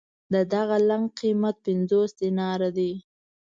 د دغه لنګ قېمت پنځوس دیناره دی.